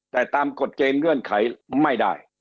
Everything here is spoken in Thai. แต่ตามกฎเกณฑ์เงื่อนไขไม่ได้